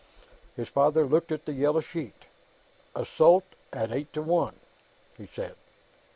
His father looked at the yellow sheet. "Assault, at eight to one," he said.